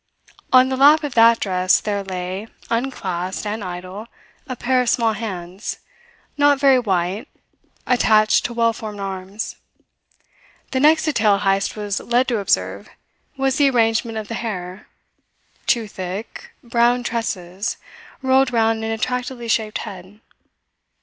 On the lap of that dress there lay, unclasped and idle, a pair of small hands, not very white, attached to well formed arms. The next detail Heyst was led to observe was the arrangement of the hair two thick, brown tresses rolled round an attractively shaped head.